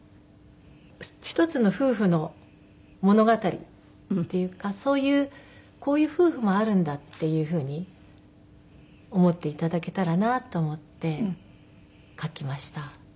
一つの夫婦の物語っていうかそういうこういう夫婦もあるんだっていうふうに思って頂けたらなと思って書きました。